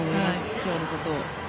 今日のことを。